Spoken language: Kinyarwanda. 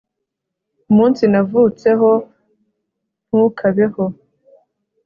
umunsi navutseho ntukabeho